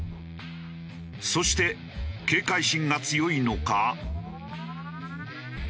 そして警戒心が強いのか。